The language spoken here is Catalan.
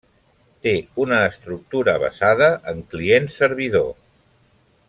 Té una estructura basada en client-servidor.